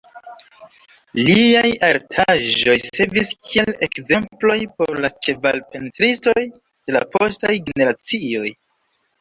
Liaj artaĵoj servis kiel ekzemploj por la ĉeval-pentristoj de la postaj generacioj.